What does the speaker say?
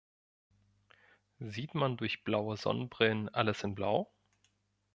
Sieht man durch blaue Sonnenbrillen alles in blau?